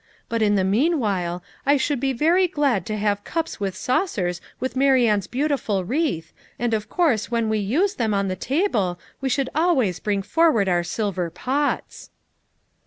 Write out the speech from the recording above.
But in the meanwhile I should be very glad to have cups and saucers with Marianne's beautiful wreath, and of course when we use them on the table we should always bring forward our silver pots."